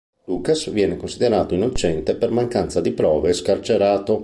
Lucas viene considerato innocente per mancanza di prove e scarcerato.